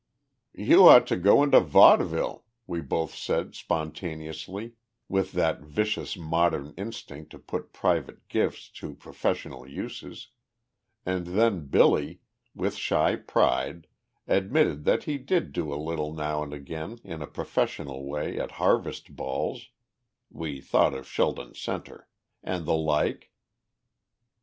"You ought to go into vaudeville," we both said spontaneously, with that vicious modern instinct to put private gifts to professional uses, and then Billy, with shy pride, admitted that he did do a little now and again in a professional way at harvest balls (we thought of Sheldon Center) and the like.